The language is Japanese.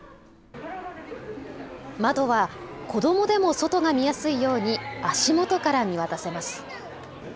窓は子どもでも外が見やすいように足元から見渡せます。